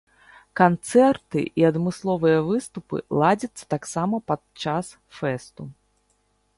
Канцэрты і адмысловыя выступы ладзяцца таксама падчас фэсту.